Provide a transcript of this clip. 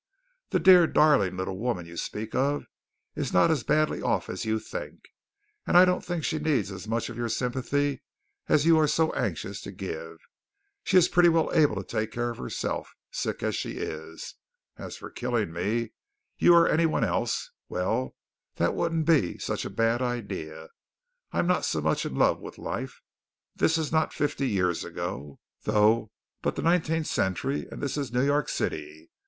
"The dear, darling little woman you speak of is not as badly off as you think, and I don't think she needs as much of your sympathy as you are so anxious to give. She is pretty well able to take care of herself, sick as she is. As for killing me, you or anyone else, well that wouldn't be such a bad idea. I'm not so much in love with life. This is not fifty years ago, though, but the nineteenth century, and this is New York City.